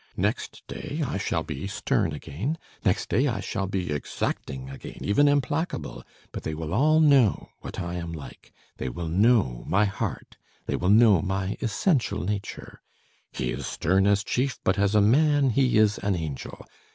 Next day I shall be stern again, next day I shall be exacting again, even implacable, but they will all know what I am like. They will know my heart, they will know my essential nature: 'He is stern as chief, but as a man he is an angel!'